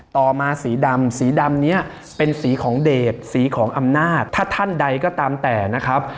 ต่อมาสีดำสีดำนี้เป็นสีของเดชสีของอำนาจถ้าท่านใดก็ตามแต่นะครับ